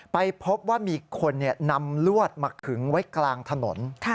ไปพบว่ามีคนนำลวดมาขึงไว้กลางถนน